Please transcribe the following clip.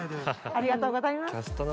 ありがとうございます。